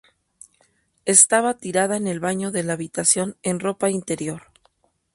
Estaba tirada en el baño de la habitación, en ropa interior.